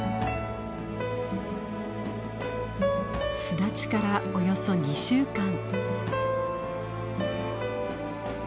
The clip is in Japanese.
巣立ちからおよそ２週間。